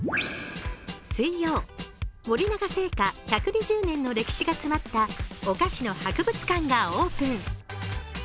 水曜、森永製菓１２０年の歴史が詰まったお菓子の博物館がオープン。